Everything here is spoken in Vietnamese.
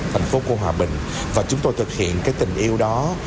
thành phố của hòa bình và chúng tôi thực hiện cái tình yêu đó